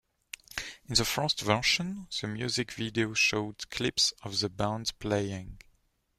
In the first version, the music video showed clips of the band playing.